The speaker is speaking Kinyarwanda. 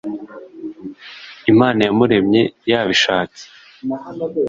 imana yamuremye yabishatse